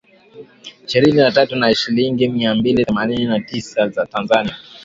ishirini na tatu na shilingi mia mbili themanini na tisa za Tanzania